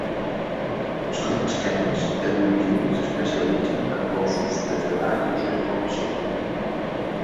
Els clubs canins d'avui dia s'especialitzen en gossos de treball i d'exposició.